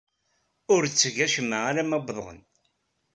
Ur tteg acemma arma uwḍeɣ-n.